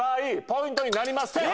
ポイントになりません！